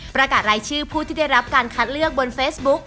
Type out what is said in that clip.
ประกาศรายชื่อผู้ที่ได้รับการคัดเลือกบนเฟซบุ๊ก